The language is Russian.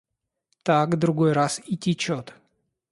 Так, другой раз, и течет.